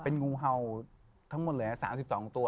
เป็นงูเห่าทั้งหมดเลย๓๒ตัว